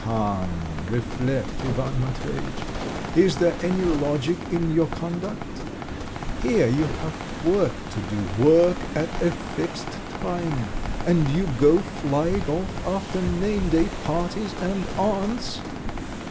"Come, reflect, Ivan Matveyitch, is there any logic in your conduct? Here you have work to do, work at a fixed time, and you go flying off after name day parties and aunts!